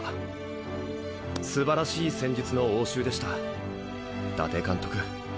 すばらしい戦術の応酬でした伊達監督。